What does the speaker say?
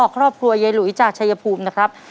ครอบครัวยายหลุยจากชายภูมินะครับ